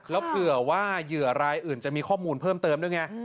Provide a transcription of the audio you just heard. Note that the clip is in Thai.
แล้วเผื่อว่าเหยื่อรายอื่นจะมีข้อมูลเพิ่มเติมด้วยไง